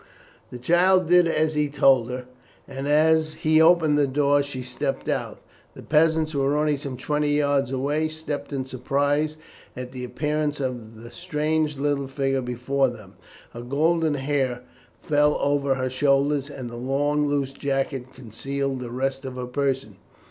The child did as he told her, and as he opened the door she stepped out. The peasants, who were only some twenty yards away, stopped in surprise at the appearance of the strange little figure before them. Her golden hair fell over her shoulders, and the long loose jacket concealed the rest of her person.